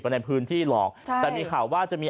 ในพื้นที่หรอกใช่แต่มีข่าวว่าจะมี